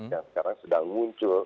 yang sekarang sedang muncul